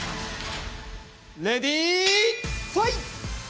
レディーファイト！